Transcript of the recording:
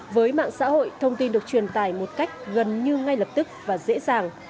với mạng xã hội thông tin được truyền tải một cách gần như ngay lập tức và dễ dàng